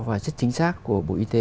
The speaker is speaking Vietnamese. và rất chính xác của bộ y tế